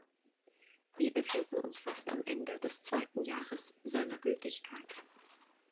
Wir befinden uns fast am Ende des zweiten Jahres seiner Gültigkeit.